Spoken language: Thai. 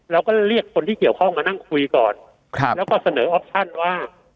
เราก็เรียกคนที่เกี่ยวข้องมานั่งคุยก่อนแล้วก็เสนอออปชั่นว่า